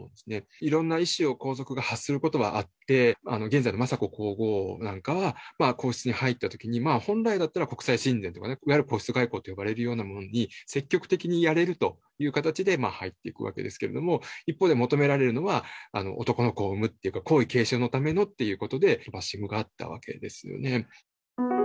いろんな意思を皇族が発することはあって、現在の雅子皇后なんかは、皇室に入ったときに、本来だったら国際親善とか、いわゆる皇室外交と呼ばれるようなものに積極的にやれるという形で入っていくわけですけれども、一方で求められるのは男の子を生むっていうか、皇位継承のためのってことで、バッシングがあったわけですよね。